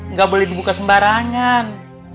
nggak boleh dibuka sembarangan